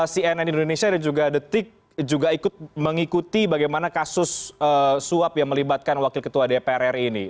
cnn indonesia dan juga detik juga ikut mengikuti bagaimana kasus suap yang melibatkan wakil ketua dpr ri ini